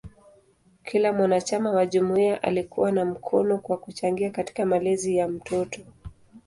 Kila mwanachama wa jumuiya alikuwa na mkono kwa kuchangia katika malezi ya mtoto.